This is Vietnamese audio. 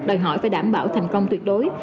đòi hỏi phải đảm bảo thành công tuyệt đối